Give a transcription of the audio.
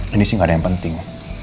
ini sih gak ada yang penting